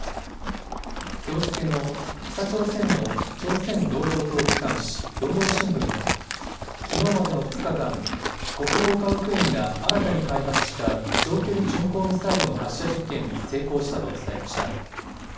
きょう付けの北朝鮮の朝鮮労働党機関紙、労働新聞はきのうまでの２日間、国防科学院が新たに開発した長距離巡航ミサイルの発射実験に成功したと伝えました。